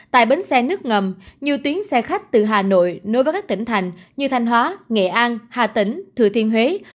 tại bến xe nước ngầm nhiều tuyến xe khách từ hà nội nối với các tỉnh thành như thanh hóa nghệ an hà tĩnh thừa thiên huế